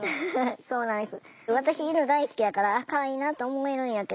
そうなんです。